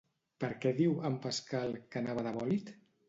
Per què diu, en Pascal, que anava de bòlit?